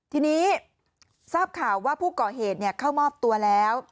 ทีนี้ทราบข่าวว่าผู้ก่อเหตุเข้ามอบตัวแล้ว